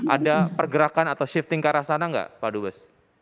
ada pergerakan atau shifting ke arah sana nggak pak dubes